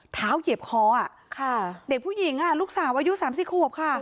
เท้าเหยียบคออ่ะค่ะเด็กผู้หญิงอ่ะลูกสาวอายุสามสี่โคบค่ะ